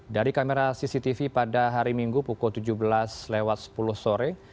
dari kamera cctv pada hari minggu pukul tujuh belas lewat sepuluh sore